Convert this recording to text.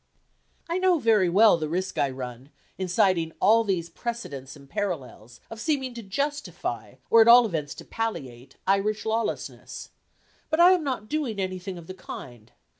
I know very well the risk I run, in citing all these precedents and parallels, of seeming to justify, or at all events to palliate, Irish lawlessness. But I am not doing anything of the kind.